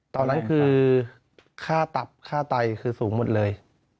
ตอนนั้นคือค่าตับค่าไตคือสูงหมดเลย